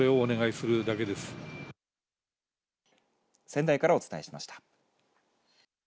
仙台からお伝えしました。